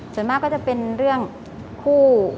ส่วนมากก็จะเป็นเรื่องคู่